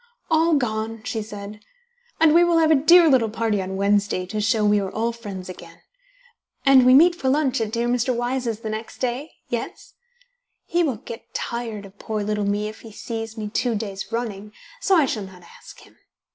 "All gone!" she said; "and we will have a dear little party on Wednesday to show we are all friends again. And we meet for lunch at dear Mr. Wyse's the next day? Yes? He will get tired of poor little me if he sees me two days running, so I shall not ask him.